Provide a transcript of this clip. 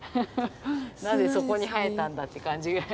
なぜそこに生えたんだって感じが。